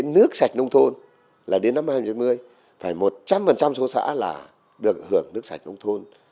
nước sạch nông thôn là đến năm hai nghìn hai mươi phải một trăm linh số xã là được hưởng nước sạch nông thôn